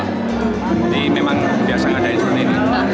jadi memang biasa ada insuransi ini